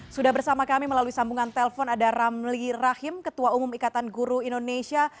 sudah bersama kami melalui sambungan telpon ada ramli rahim ketua umum ikatan guru indonesia